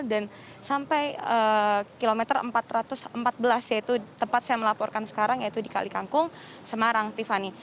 dan sampai kilometer empat ratus empat belas yaitu tempat saya melaporkan sekarang yaitu di kalekangkung semarang tiffany